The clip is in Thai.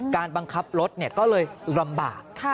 การบังคับรถก็เลยลำบาก